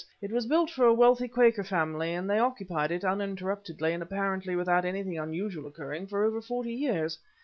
It was built for a wealthy Quaker family, and they occupied it, uninterruptedly and apparently without anything unusual occurring, for over forty years.